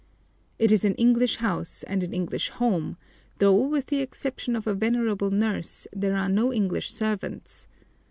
It is an English house and an English home, though, with the exception of a venerable nurse, there are no English servants.